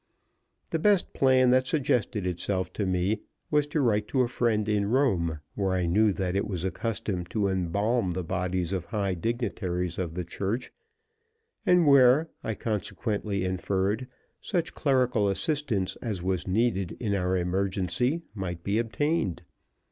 The best plan that suggested itself to me was to write to a friend in Rome, where I knew that it was a custom to embalm the bodies of high dignitaries of the Church, and where, I consequently inferred, such chemical assistance as was needed in our emergency might be obtained.